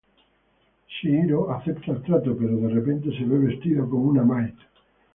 Chihiro acepta el trato, pero, de repente, se ve vestido como una maid.